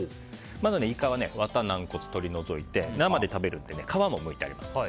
まずイカはワタ、軟骨を取り除いて生で食べるので皮もむいてあります。